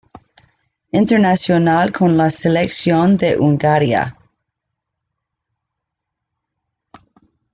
Internacional con la selección de Hungría.